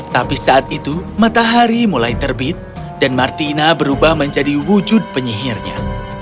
tapi saat itu matahari mulai terbit dan martina berubah menjadi wujud penyihirnya